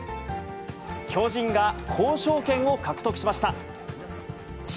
巨人が交渉権を獲得しました。